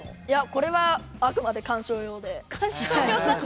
いやこれはあくまで観賞用で。